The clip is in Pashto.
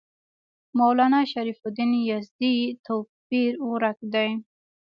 مولنا شرف الدین یزدي توپیر ورک دی.